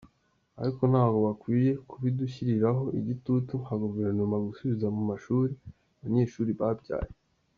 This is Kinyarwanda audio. Ariko ntabwo bakwiye kubidushyiriraho igitutu nka guverinoma gusubiza mu mashuri abanyeshuri babyaye.